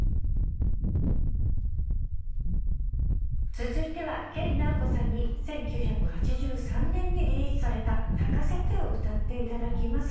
続いては研ナオコさんに１９８３年にリリースされた『泣かせて』を歌っていただきます。